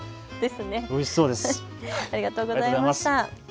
おいしそうです。